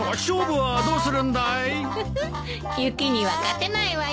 勝負はどうするんだい？